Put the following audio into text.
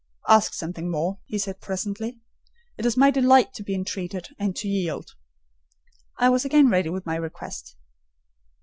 "Ask something more," he said presently; "it is my delight to be entreated, and to yield." I was again ready with my request.